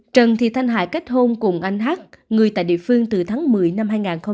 trần thị thanh hải kết hôn cùng anh hát người tại địa phương từ tháng một mươi năm hai nghìn một mươi ba